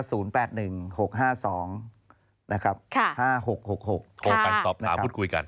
โทรไปสอบสาวพูดคุยกัน